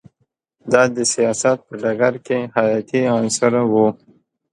دا د سیاست په ډګر کې حیاتی عنصر و